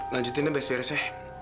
lanjutin deh bes peres ya